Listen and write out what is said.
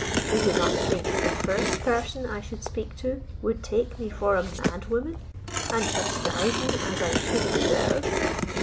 Do you not think the first person I should speak to would take me for a mad woman, and chastise me as I should deserve?